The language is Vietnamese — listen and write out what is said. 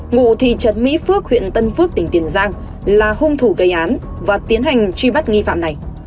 ngụ thị trấn mỹ phước huyện tân phước tỉnh tiền giang là hung thủ gây án và tiến hành truy bắt nghi phạm này